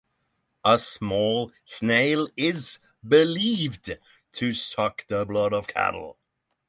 A small snail is believed to suck the blood of cattle.